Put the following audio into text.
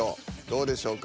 どうでしょう。